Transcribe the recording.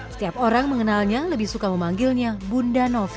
setiap orang mengenalnya lebih suka memanggilnya bunda novi